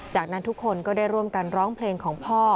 จากนั้นทุกคนก็ได้ร่วมกันร้องเพลงของพ่อ